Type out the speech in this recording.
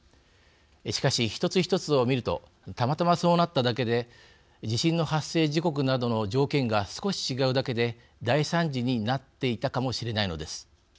しかし、一つ一つを見るとたまたまそうなっただけで地震の発生時刻などの条件が少し違うだけで大惨事になっていたかもしれないのです。